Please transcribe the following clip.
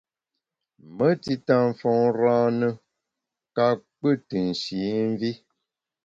Me tita mfôn râne ka pkù tù nshî mvi.